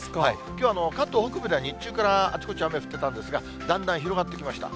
きょうは関東北部では日中からあちこち雨降ってたんですが、だんだん広がってきました。